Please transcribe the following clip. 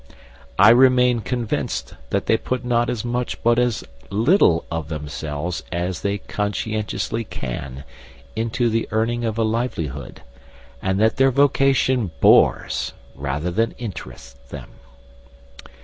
I remain convinced that they put not as much but as little of themselves as they conscientiously can into the earning of a livelihood, and that their vocation bores rather than interests them.